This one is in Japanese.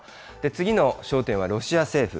次の焦点はロシア政府。